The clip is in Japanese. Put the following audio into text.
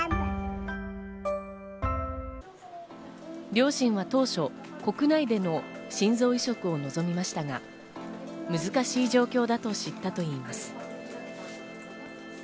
両親は当初、国内での心臓移植を望みましたが、難しい状況だと知ったといいます。